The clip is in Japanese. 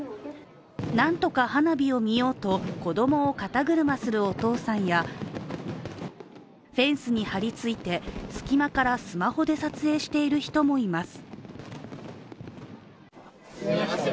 なんとか花火を見ようと子供を肩車するお父さんやフェンスに張りついて隙間からスマホで撮影している人もいます。